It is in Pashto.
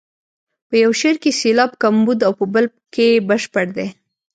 په یو شعر کې سېلاب کمبود او په بل کې بشپړ دی.